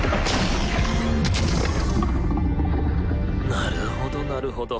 なるほどなるほど。